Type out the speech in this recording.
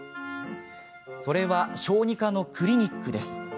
それは、小児科のクリニックです。